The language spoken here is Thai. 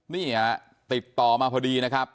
นี่ฮะติดต่อมาพอดีนะครับ